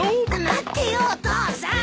待ってよお父さん！